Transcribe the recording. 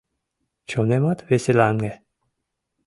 Чонемат веселаҥе.